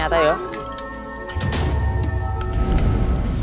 nah lo tidur dulu pak